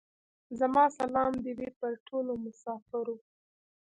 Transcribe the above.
زما سلام دي وې پر ټولو مسافرو.